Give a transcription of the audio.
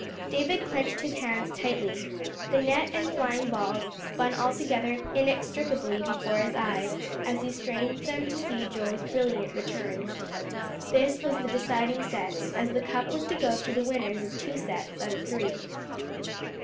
David clenched his hands tightly. The net and flying balls spun all together inextricably before his eyes as he strained them to see Joe's brilliant returns. This was the deciding set, as the cup was to go to the winners of two sets out of three.